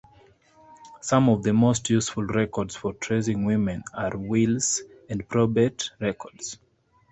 Some of the most useful records for tracing women are wills and probate records.